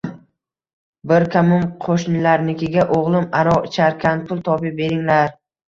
Bir kamim qo`shnilarnikiga O`g`lim aroq icharkan, pul topib beringlar